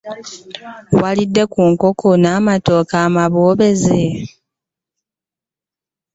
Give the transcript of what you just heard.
Waalidde ku nkoko n'amatooke amabobeze?